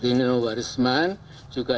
tapi kita harus tarik memori